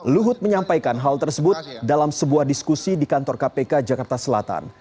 luhut menyampaikan hal tersebut dalam sebuah diskusi di kantor kpk jakarta selatan